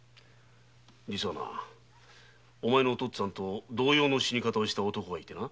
実はなお前のお父っつぁんと同様の死に方をした男がいてな。